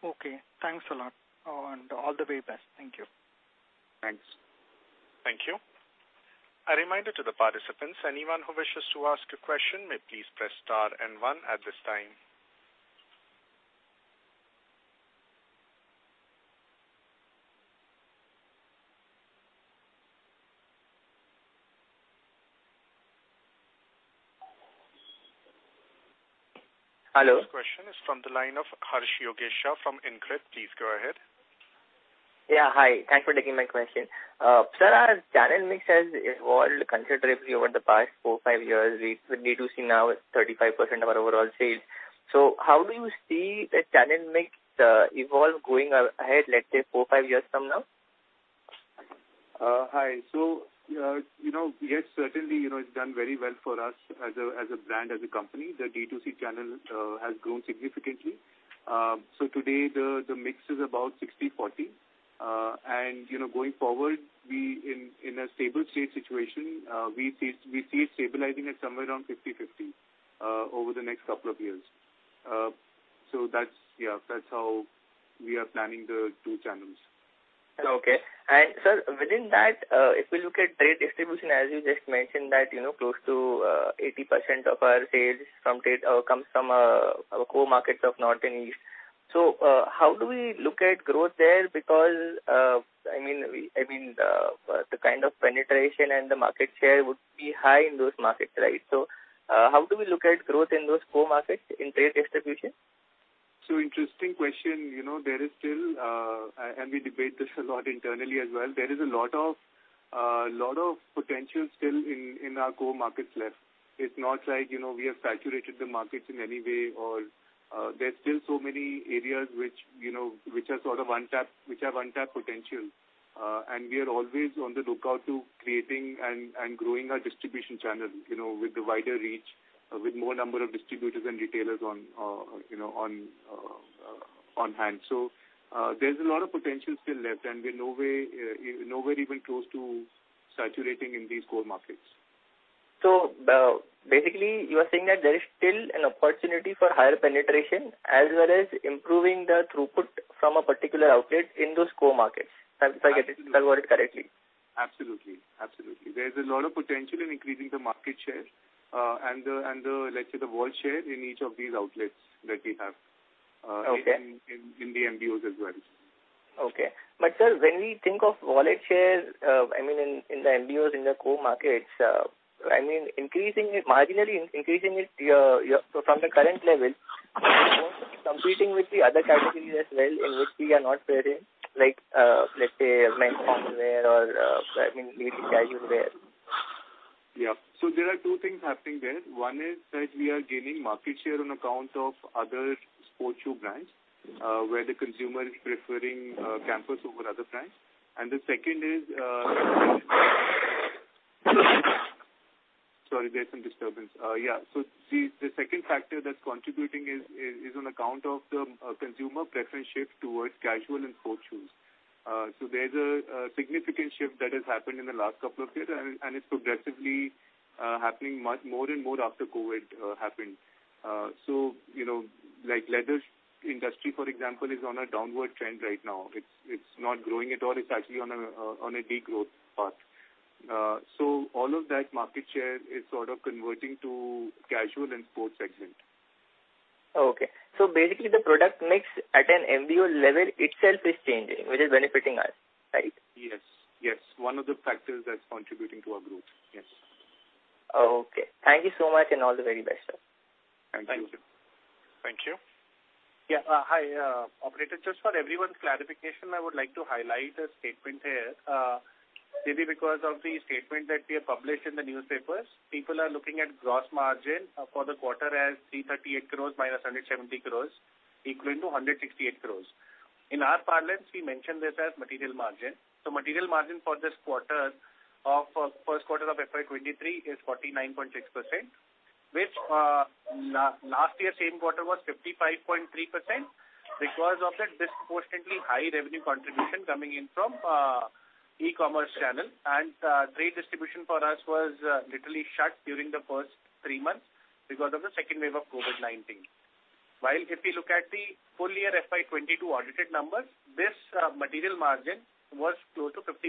Okay. Thanks a lot. All the very best. Thank you. Thanks. Thank you. A reminder to the participants, anyone who wishes to ask a question may please press star and one at this time. Next question is from the line of Soni Yogesh from InCred. Please go ahead. Hi. Thanks for taking my question. Sir, as channel mix has evolved considerably over the past four years, five Years, the D2C now is 35% of our overall sales. How do you see the channel mix evolve going ahead, let's say, four years five years from now? Hi. You know, yes, certainly, you know, it's done very well for us as a brand, as a company. The D2C channel has grown significantly. Today the mix is about 60/40. You know, going forward, we in a stable state situation, we see it stabilizing at somewhere around 50/50 over the next couple of years. That's, yeah, that's how we are planning the two channels. Okay. Sir, within that, if we look at trade distribution, as you just mentioned that, you know, close to 80% of our sales from trade comes from our core markets of North and East. How do we look at growth there? Because I mean, the kind of penetration and the market share would be high in those markets, right? How do we look at growth in those core markets in trade distribution? Interesting question. You know, there is still, and we debate this a lot internally as well. There is a lot of potential still in our core markets left. It's not like, you know, we have saturated the markets in any way or, there are still so many areas which are sort of untapped, which have untapped potential. We are always on the lookout to creating and growing our distribution channels, you know, with the wider reach, with more number of distributors and retailers on hand. There's a lot of potential still left, and we're nowhere even close to saturating in these core markets. Basically, you are saying that there is still an opportunity for higher penetration as well as improving the throughput from a particular outlet in those core markets. If I got it correctly. Absolutely. There's a lot of potential in increasing the market share and the wallet share in each of these outlets that we have. Okay. in the MBOs as well. Okay. Sir, when we think of wallet shares, I mean, in the MBOs, in the core markets, I mean, increasing it marginally from the current level, competing with the other categories as well in which we are not present, like, let's say men's formal wear or, I mean, maybe casual wear. Yeah. There are two things happening there. One is that we are gaining market share on account of other sports shoe brands, where the consumer is preferring Campus over other brands. The second is the second factor that's contributing is on account of the consumer preference shift towards casual and sports shoes. There's a significant shift that has happened in the last couple of years, and it's progressively happening much more and more after COVID happened. You know, like leather industry, for example, is on a downward trend right now. It's not growing at all. It's actually on a degrowth path. All of that market share is sort of converting to casual and sports segment. Okay. Basically the product mix at an MBO level itself is changing, which is benefiting us, right? Yes. Yes. One of the factors that's contributing to our growth. Yes. Okay. Thank you so much, and all the very best, sir. Thank you. Thank you. Yeah. Hi, Operator. Just for everyone's clarification, I would like to highlight a statement here. Maybe because of the statement that we have published in the newspapers, people are looking at gross margin for the quarter as 338 crores minus 170 crores, equaling to 168 crores. In our parlance, we mention this as material margin. Material margin for this quarter of first quarter of FY 2023 is 49.6%, which last year same quarter was 55.3% because of the disproportionately high revenue contribution coming in from e-commerce channel. Trade distribution for us was literally shut during the first three months because of the second wave of COVID-19. If you look at the full year FY 2022 audited numbers, this material margin was close to 50%.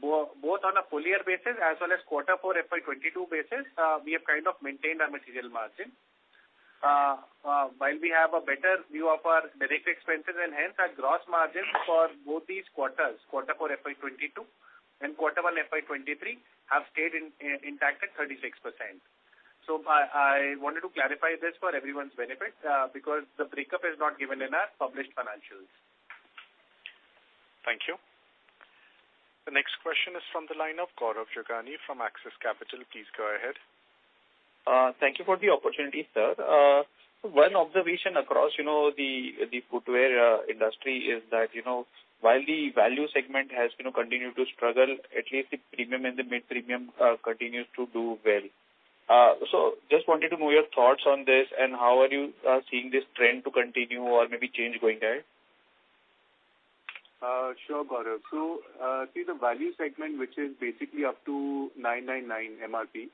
Both on a full year basis as well as quarter four FY 2022 basis, we have kind of maintained our material margin. While we have a better view of our direct expenses and hence our gross margin for both these quarters, quarter four FY 2022 and quarter one FY 2023, have stayed intact at 36%. I wanted to clarify this for everyone's benefit, because the breakup is not given in our published financials. Thank you. The next question is from the line of Gaurav Jogani from Axis Capital. Please go ahead. Thank you for the opportunity, sir. One observation across, you know, the footwear industry is that, you know, while the value segment has, you know, continued to struggle, at least the premium and the mid-premium continues to do well. Just wanted to know your thoughts on this and how are you seeing this trend to continue or maybe change going ahead? Sure, Gaurav. See the value segment, which is basically up to 999 MRP,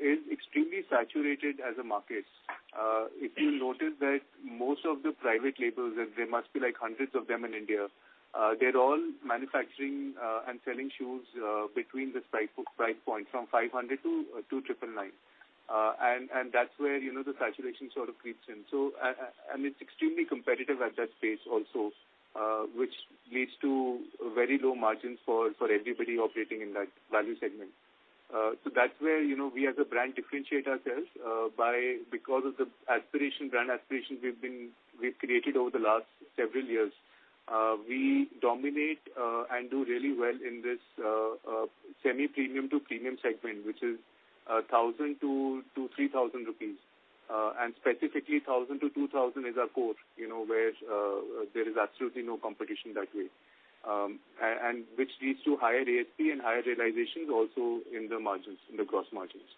is extremely saturated as a market. If you notice that most of the private labels, and there must be like hundreds of them in India, they're all manufacturing and selling shoes between this price point, from 500 to 999. And that's where, you know, the saturation sort of creeps in. It's extremely competitive at that space also, which leads to very low margins for everybody operating in that value segment. That's where, you know, we as a brand differentiate ourselves by because of the aspiration, brand aspiration we've created over the last several years. We dominate and do really well in this semi-premium to premium segment, which is 1,000-3,000 rupees. Specifically, 1,000-2,000 is our core, you know, where there is absolutely no competition that way. Which leads to higher ASP and higher realizations also in the margins, in the gross margins.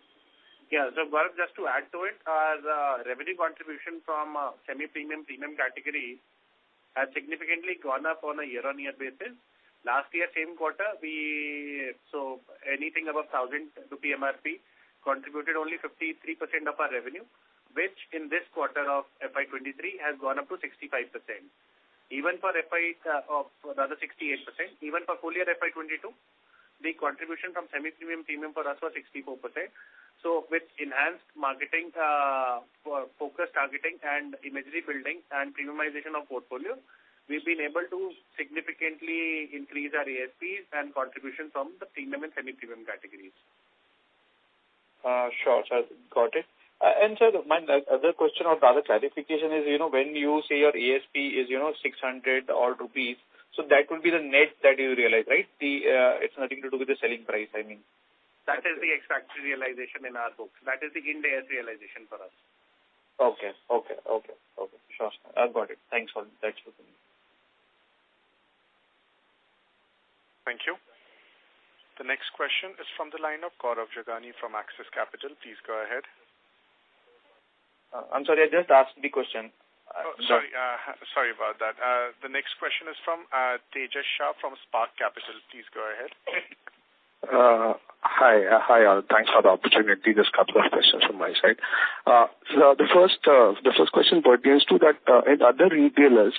Yeah. Gaurav, just to add to it, the revenue contribution from semi-premium, premium category has significantly gone up on a year-on-year basis. Last year, same quarter, anything above 1,000 rupee MRP contributed only 53% of our revenue, which in this quarter of FY 2023 has gone up to 65%. Even for FY, or rather 68%. Even for full year FY 2022, the contribution from semi-premium, premium for us was 64%. With enhanced marketing, focus targeting and imagery building and premiumization of portfolio, we've been able to significantly increase our ASPs and contribution from the premium and semi-premium categories. Sure, sir. Got it. Sir, my other question or rather clarification is, you know, when you say your ASP is, you know, 600-odd rupees, so that would be the net that you realize, right? The, it's nothing to do with the selling price, I mean. That is the exact realization in our books. That is the Ind AS realization for us. Okay. Sure. I've got it. Thanks for coming. Thank you. The next question is from the line of Gaurav Jogani from Axis Capital. Please go ahead. I'm sorry, I just asked the question. The next question is from Tejas Shah from Spark Capital. Please go ahead. Hi. Hi, all. Thanks for the opportunity. Just couple of questions from my side. The first question pertains to that in other retailers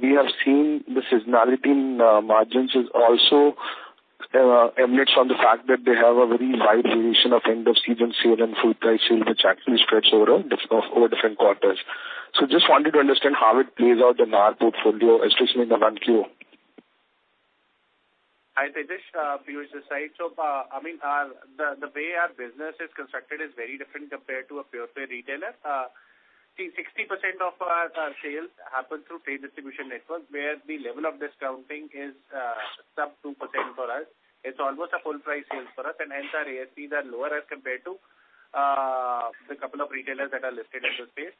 we have seen the seasonality in margins is also emanates from the fact that they have a very wide duration of end of season sale and full price sale, which actually spreads over different quarters. Just wanted to understand how it plays out in our portfolio, especially in the Q1. Hi, Tejas. Piyush this side. The way our business is constructed is very different compared to a pure play retailer. See, 60% of our sales happen through paid distribution network, where the level of discounting is sub 2% for us. It's almost a full price sales for us, and hence our ASPs are lower as compared to the couple of retailers that are listed in the space.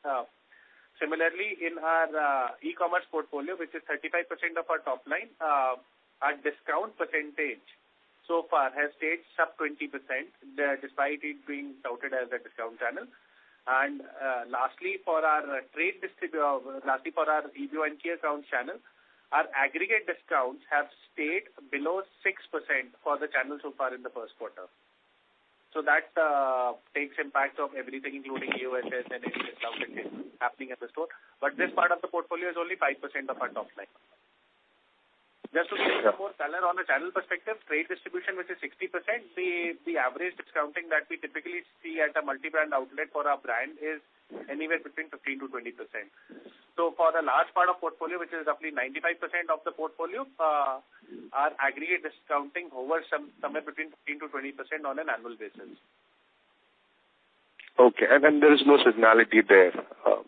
Similarly, in our e-commerce portfolio, which is 35% of our top line, our discount percentage so far has stayed sub 20%, despite it being touted as a discount channel. Lastly, for our EBO and key account channel, our aggregate discounts have stayed below 6% for the channel so far in the first quarter. That takes impact of everything, including EOSS and any discount that is happening at the store. This part of the portfolio is only 5% of our top line. Just to give some more color on a channel perspective, trade distribution, which is 60%, the average discounting that we typically see at a multi-brand outlet for our brand is anywhere between 15%-20%. For the large part of portfolio, which is roughly 95% of the portfolio, aggregate discounting somewhere between 15%-20% on an annual basis. Okay. There is no seasonality there,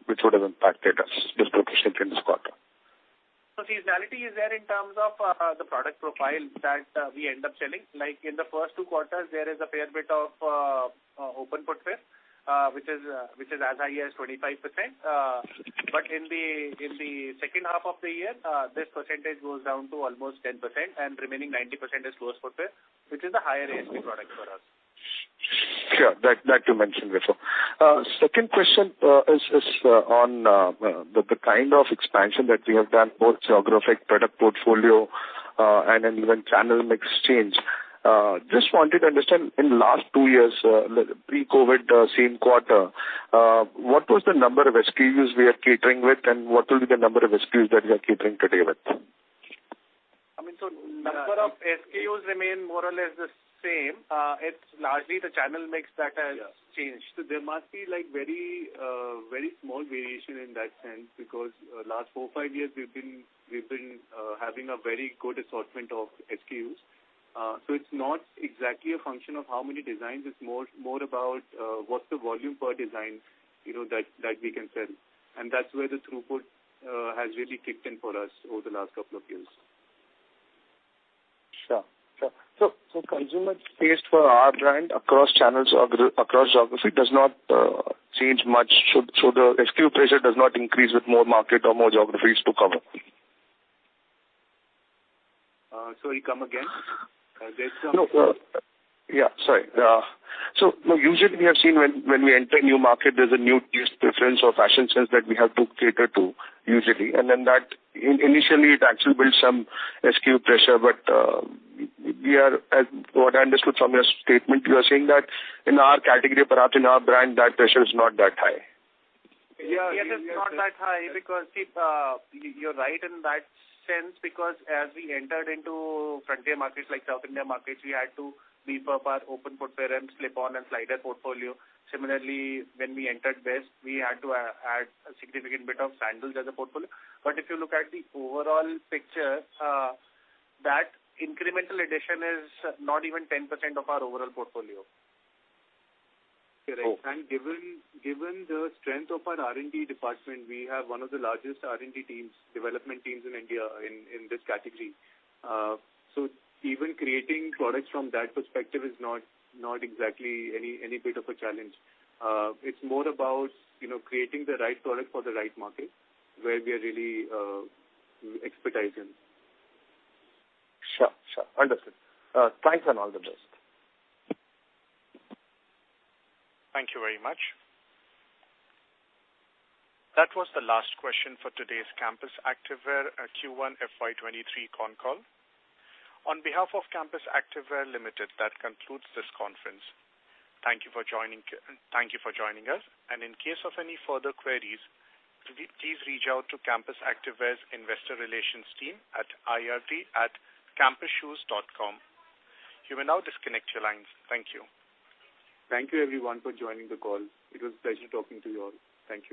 which would have impacted us disproportionately in this quarter. Seasonality is there in terms of the product profile that we end up selling. Like in the first two quarters, there is a fair bit of open footwear, which is as high as 25%. But in the second half of the year, this percentage goes down to almost 10% and remaining 90% is closed footwear, which is a higher ASP product for us. Sure. That you mentioned before. Second question is on the kind of expansion that we have done, both geographic, product portfolio, and then the channel mix change. Just wanted to understand in the last two years, pre-COVID same quarter, what was the number of SKUs we are catering with and what will be the number of SKUs that we are catering today with? I mean, number of SKUs remain more or less the same. It's largely the channel mix that has changed. Yeah. There must be like very, very small variation in that sense because last four, five years we've been having a very good assortment of SKUs. It's not exactly a function of how many designs. It's more about what's the volume per design, you know, that we can sell. That's where the throughput has really kicked in for us over the last couple of years. Sure. Consumer taste for our brand across channels or across geographies does not change much. The SKU pressure does not increase with more markets or more geographies to cover. Sorry, come again. No. Yeah. Sorry. So usually we have seen when we enter a new market, there's a new taste preference or fashion sense that we have to cater to usually. Then that initially it actually builds some SKU pressure. We are, as what I understood from your statement, you are saying that in our category, perhaps in our brand, that pressure is not that high. Yeah. It is not that high because, see, you're right in that sense because as we entered into frontier markets like South India markets, we had to beef up our open footwear and slip-on and slider portfolio. Similarly, when we entered West, we had to add a significant bit of sandals as a portfolio. If you look at the overall picture, that incremental addition is not even 10% of our overall portfolio. Okay. Given the strength of our R&D department, we have one of the largest R&D teams, development teams in India in this category. Even creating products from that perspective is not exactly any bit of a challenge. It's more about, you know, creating the right product for the right market where we are really experts in. Sure. Understood. Thanks and all the best. Thank you very much. That was the last question for today's Campus Activewear Q1 FY 2023 conference call. On behalf of Campus Activewear Limited, that concludes this conference. Thank you for joining us. In case of any further queries, please reach out to Campus Activewear's investor relations team at investors@campusshoes.com. You may now disconnect your lines. Thank you. Thank you everyone for joining the call. It was a pleasure talking to you all. Thank you.